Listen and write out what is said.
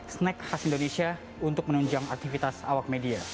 snack khas indonesia untuk menunjang aktivitas awak media